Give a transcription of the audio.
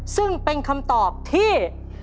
ซึ่งเป็นคำตอบที่